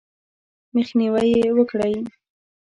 مخنیوی یې وکړئ :